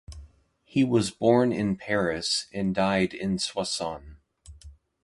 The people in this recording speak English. He was born in Paris and died in Soissons.